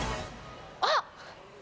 あっ！